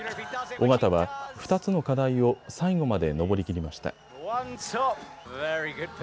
緒方は２つの課題を最後まで登りきりました。